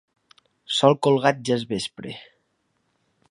Sol colgat ja és vespre.